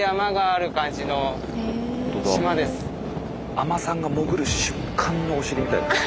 海人さんが潜る瞬間のお尻みたい。